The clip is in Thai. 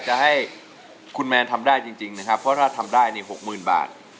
จะให้คุณแมนทำได้จริงนะครับเพราะถ้าทำได้นี่๖๐๐๐บาท